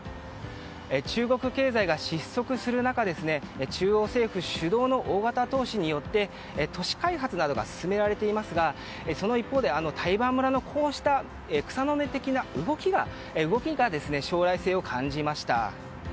中国経済が失速する中中央政府主導の大型投資によって都市開発などが進められていますがその一方で台盤村のこうした草の根的な動きが将来性を感じました。